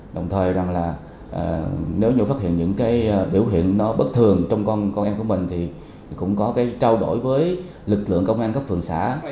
đồng thời nếu như phát hiện những biểu hiện bất thường trong con em của mình thì cũng có trao đổi với lực lượng công an gấp phường xã